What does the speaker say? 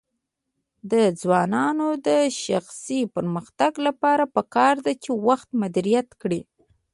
د ځوانانو د شخصي پرمختګ لپاره پکار ده چې وخت مدیریت کړي.